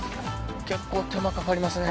結構手間かかりますね。